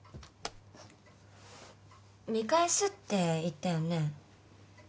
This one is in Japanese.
見返すって言ったよね？